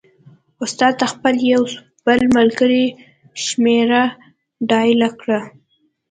استاد د خپل یو بل ملګري شمېره ډایله کړه.